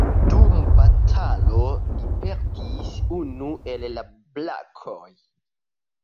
Dum batalo li perdis unu el la brakoj.